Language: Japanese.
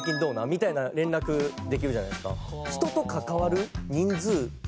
みたいな連絡できるじゃないですか。